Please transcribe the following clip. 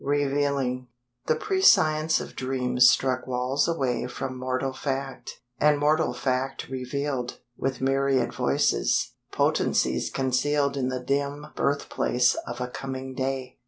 REVEALING The prescience of dreams struck walls away From mortal fact, and mortal fact revealed, With myriad voices, potencies concealed In the dim birth place of a coming day.